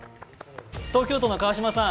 東京都の川島さん